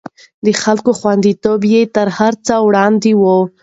د خلکو خونديتوب يې تر هر څه وړاندې و.